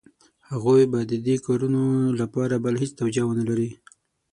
هغوی به د دې کارونو لپاره بله هېڅ توجیه ونه لري.